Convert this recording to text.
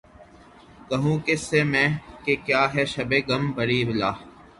کہوں کس سے میں کہ کیا ہے شبِ غم بری بلا ہے